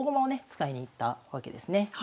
使いにいったわけですね。